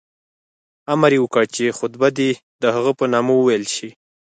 امر یې وکړ چې خطبه دې د هغه په نامه وویل شي.